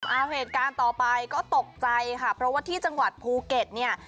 เอาเหตุการณ์ต่อไปก็ตกใจค่ะเพราะว่าที่จังหวัดภูเก็ตเนี่ย